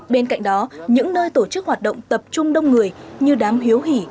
bên cạnh đó những nơi tổ chức hoạt động tập trung đông người như đám hiếu hỉ